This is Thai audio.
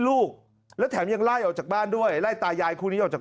ลูกและแถมยังไล่ออกจากบ้านด้วยไล่ตายายคู่นี้ออกจาก